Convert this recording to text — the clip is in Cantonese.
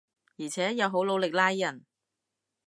而且又好努力拉人